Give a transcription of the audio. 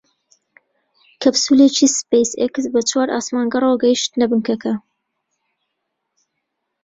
کەپسوولێکی سپەیس ئێکس بە چوار ئاسمانگەڕەوە گەیشتە بنکەکە